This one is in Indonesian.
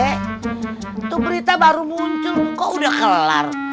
itu berita baru muncul kok udah kelar